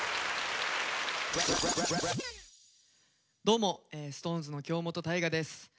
どうもＳｉｘＴＯＮＥＳの京本大我です。